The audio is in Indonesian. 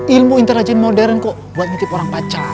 ilmu interajen modern kok buat ngintip orang pacaran